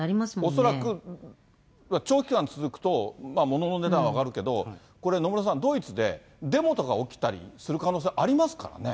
恐らく、長期間続くと、ものの値段は上がるけど、これ、野村さん、ドイツでデモとか起きたりする可能性ありますからね。